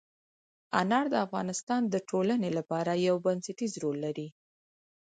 انار د افغانستان د ټولنې لپاره یو بنسټيز رول لري.